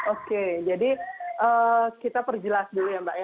oke jadi kita perjelas dulu ya mbak ya